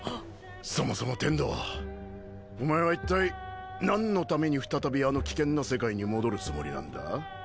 そもそも天道お前は一体なんのために再びあの危険な世界に戻るつもりなんだ？